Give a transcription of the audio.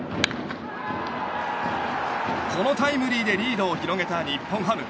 このタイムリーでリードを広げた日本ハム。